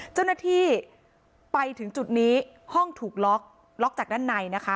เจ้าหน้าที่ไปถึงจุดนี้ห้องถูกล็อกล็อกจากด้านในนะคะ